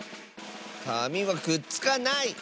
かみはくっつかない！